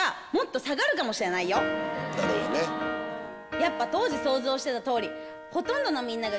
やっぱ当時想像してた通り。